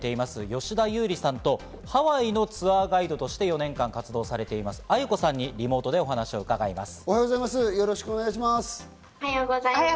吉田有李さんと、ハワイのツアーガイドとして４年間活動されています、ＡＹＵＫＯさんにリモートでお話を伺います。